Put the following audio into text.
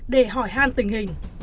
để hỏi han tình hình